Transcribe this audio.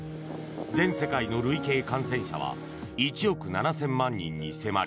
全世界の累計感染者は１億７０００万人に迫り